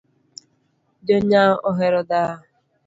Jonyao ohero dhao